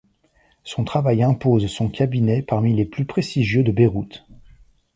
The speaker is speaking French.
Son travail impose son cabinet parmi les plus prestigieux de Beyrouth.